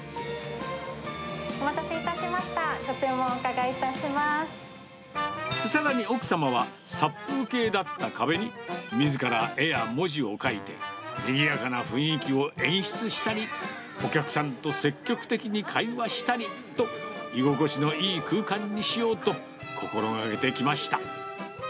お待たせいたしました、さらに奥様は、殺風景だった壁に、みずから絵や文字をかいて、にぎやかな雰囲気を演出したり、お客さんと積極的に会話したりと、居心地のいい空間にしようと、心がけてきました。